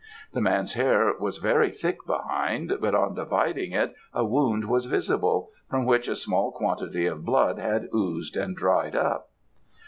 The man's hair was very thick behind; but on dividing it a wound was visible, from which a small quantity of blood had oozed and dried up.